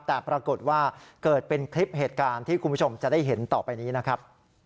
แต่ปรากฏว่าเกิดเป็นคลิปเหตุการณ์ที่คุณผู้ชมจะได้เห็นต่อไปนี้นะครับ